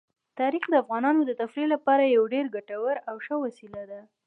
تاریخ د افغانانو د تفریح لپاره یوه ډېره ګټوره او ښه وسیله ده.